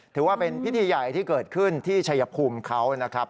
ถือว่าเป็นพิธีใหญ่ที่เกิดขึ้นที่ชัยภูมิเขานะครับ